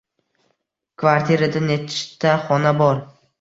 Kvartirada nechta xona bor?